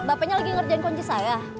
bapaknya lagi ngerjain kunci saya